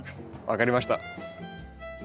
分かりました。